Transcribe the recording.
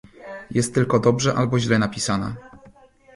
Jest tylko dobrze albo źle napisana.